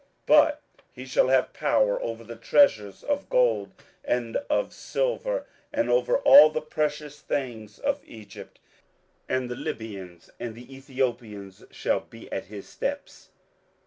27:011:043 But he shall have power over the treasures of gold and of silver, and over all the precious things of Egypt: and the Libyans and the Ethiopians shall be at his steps.